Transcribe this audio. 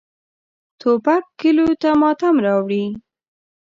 توپک کلیو ته ماتم راوړي.